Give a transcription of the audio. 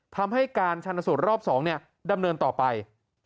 ทำให้การชันสูตรรอบ๒ดำเนินต่อไป